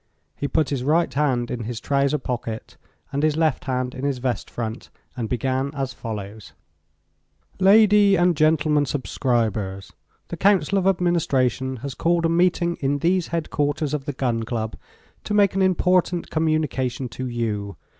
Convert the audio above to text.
He put his right hand in his trouser's pocket and his left hand in his vest front and began as follows: "Lady and gentlemen subscribers, the Council of Administration has called a meeting in these headquarters of the Gun Club to make an important communication to you.